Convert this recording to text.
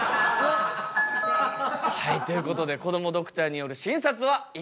はいということでこどもドクターによる診察は以上となります。